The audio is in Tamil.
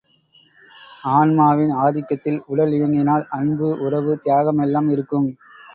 ஆன்மாவின் ஆதிக்கத்தில் உடல் இயங்கினால் அன்பு, உறவு, தியாகம் எல்லாம் இருக்கும்.